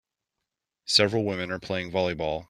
Several women are playing volleyball.